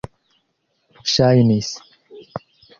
ŝajnis